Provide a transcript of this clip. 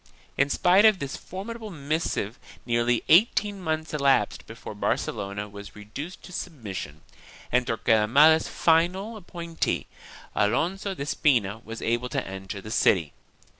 1 In spite of this formidable missive nearly eighteen months elapsed before Barcelona was reduced to submission, and Torquemada's final appointee, Alonso de Espina, was able to enter the city.